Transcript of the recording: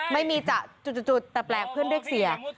ไม่มีจะจุดแต่แปลกเพื่อนเรียกเสีย